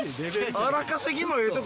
荒稼ぎもええとこ。